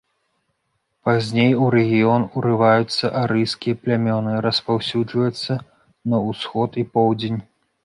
Пазней у рэгіён урываюцца арыйскія плямёны, распаўсюджваюцца на ўсход і поўдзень.